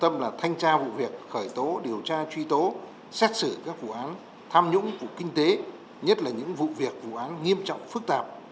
phát sử các vụ án tham nhũng của kinh tế nhất là những vụ việc vụ án nghiêm trọng phức tạp